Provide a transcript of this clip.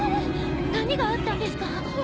何があったんですか？